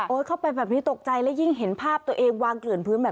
เข้าไปแบบนี้ตกใจและยิ่งเห็นภาพตัวเองวางเกลื่อนพื้นแบบ